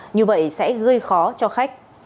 như vậy sẽ gây khó cho khách